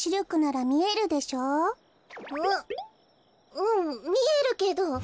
うんみえるけど。